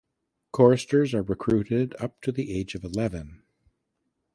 Choristers are recruited up to the age of eleven.